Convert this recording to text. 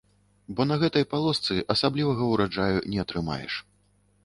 Бо на гэтай палосцы асаблівага ўраджаю не атрымаеш.